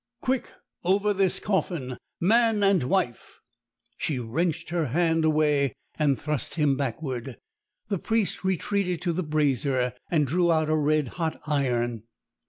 "Quick! over this coffin man and wife!" She wrenched her hand away and thrust him backward. The priest retreated to the brazier and drew out a red hot iron.